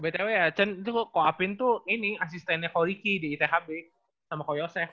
btw ya ko apin tuh asistennya ko riki di ithb sama ko yosef